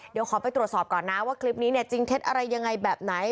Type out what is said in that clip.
เดี๋ยวขอไปตรวจสอบก่อนนะว่าคลิปนี้เนี่ยจริงเท็จอะไรยังไงแบบไหน